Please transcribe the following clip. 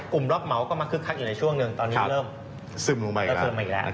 กลุ่มรอบเหมาก็มาคืนคักอีกหนังช่วงนึง